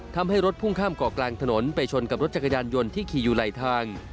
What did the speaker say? ทำให้รถพุ่งข้ามเกาะกลางถนนไปชนกับรถจักรยานยนต์ที่ขี่อยู่ไหลทาง